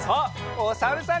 おさるさん。